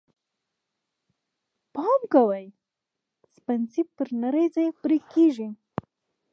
پام کوئ! سپڼسی پر نري ځای پرې کېږي.